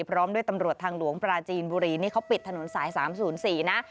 พร้อมด้วยตำรวจทางหลวงปราจีนบุรีนี่เขาปิดถนนสาย๓๐๔นะ